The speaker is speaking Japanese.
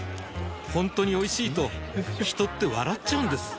ほんとにおいしいと人って笑っちゃうんです